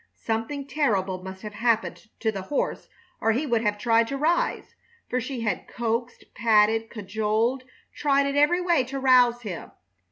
Something terrible must have happened to the horse or he would have tried to rise, for she had coaxed, patted, cajoled, tried in every way to rouse him.